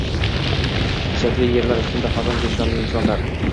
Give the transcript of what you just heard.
Chechakli yerlar ustinda xazon vijdonli insonlar